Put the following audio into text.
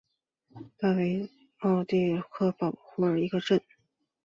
大韦内迪格山麓诺伊基兴是奥地利萨尔茨堡州滨湖采尔县的一个市镇。